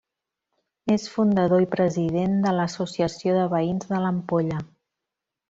És fundador i president de l'associació de veïns de l'Ampolla.